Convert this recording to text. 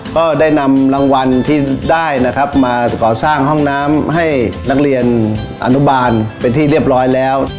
ก็ได้นำรางวัลที่ได้นะครับมาก่อสร้างห้องน้ำให้นักเรียนอนุบาลเป็นที่เรียบร้อยแล้ว